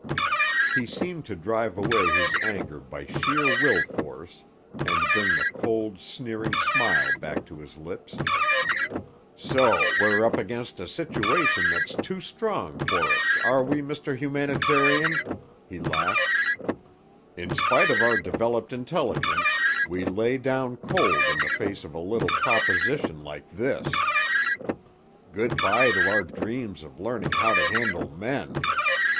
He seemed to drive away his anger by sheer will force and bring the cold, sneering smile back to his lips. "So we're up against a situation that's too strong for us, are we, Mr. Humanitarian?" he laughed. "In spite of our developed intelligence, we lay down cold in the face of a little proposition like this! Good bye to our dreams of learning how to handle men!